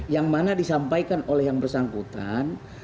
yang mana disampaikan oleh yang bersangkutan